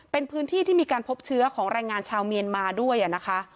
เป็นพื้นที่ที่มีการพบเชื้อของแรงงานชาวเมียนมาด้วยนะคะ